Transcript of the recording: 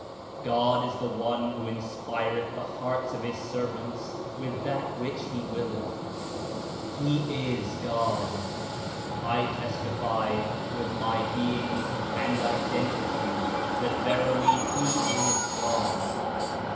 God is the One who inspireth the hearts of His ser vants with that zihich he willeth! He Is God! I testify with my being and Identity that verily He Is God.